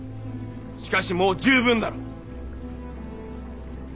しかしもう十分だろう。